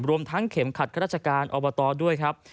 รวมทั้งเข็มขัดข้าราชการอบตด้วยครับ